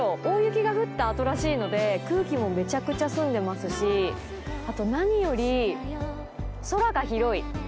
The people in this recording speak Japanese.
大雪が降った後らしいので空気もめちゃくちゃ澄んでますしあと何より空が広い。